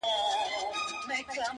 ورته وگورې په مــــــيـــنـــه”